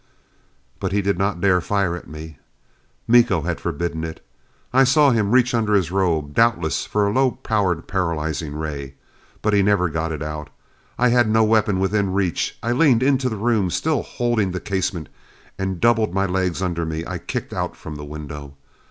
But he did not dare fire at me. Miko had forbidden it. I saw him reach under his robe, doubtless for a low powered paralyzing ray. But he never got it out. I had no weapon within reach. I leaned into the room, still holding the casement, and doubled my legs under me. I kicked out from the window.